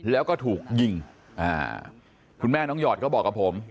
แล้วก็ถูกยิงคุณแม่น้องหยอดก็บอกกับผม